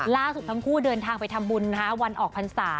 ล่าสุดทั้งคู่เดินทางไปทำบุญวันออกพรรษา